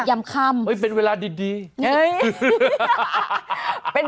ยำค่ำเป็นเวลาดิน